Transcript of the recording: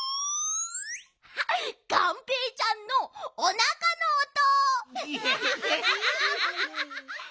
がんぺーちゃんのおなかのおと！